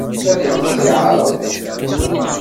Ad as-tt-yeɛṛeḍ?